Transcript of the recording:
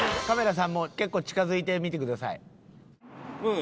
カメラさんも結構近づいてみてください。